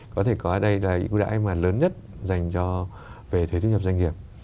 có thể có ở đây là ưu đãi mà lớn nhất dành cho về thuế thu nhập doanh nghiệp